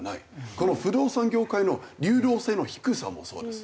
この不動産業界の流動性の低さもそうです。